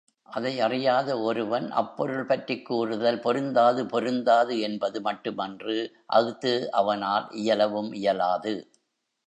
அதை அறியாத ஒருவன் அப்பொருள் பற்றிக் கூறுதல் பொருந்தாது பொருந்தாது என்பது மட்டுமன்று அஃது அவனால் இயலவும் இயலாது.